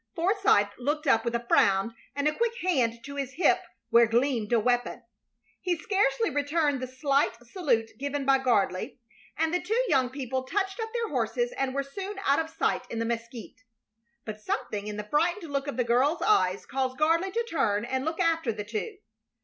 Forsythe looked up with a frown and a quick hand to his hip, where gleamed a weapon. He scarcely returned the slight salute given by Gardley, and the two young people touched up their horses and were soon out of sight in the mesquite. But something in the frightened look of the girl's eyes caused Gardley to turn and look after the two.